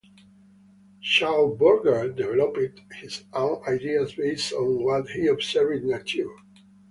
Schauberger developed his own ideas based on what he observed in nature.